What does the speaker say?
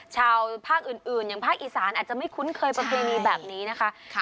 ชาวภาคอื่นอย่างภาคอีสานอาจจะไม่คุ้นเคยประเพณีแบบนี้นะคะ